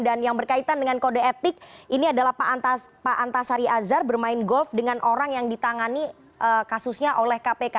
dan yang berkaitan dengan kode etik ini adalah pak antasari azhar bermain golf dengan orang yang ditangani kasusnya oleh kpk